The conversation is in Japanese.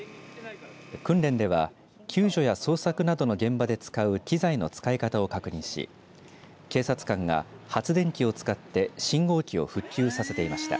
訓練では救助や捜索などの現場で使う機材の使い方を確認し警察官が、発電機を使って信号機を復旧させていました。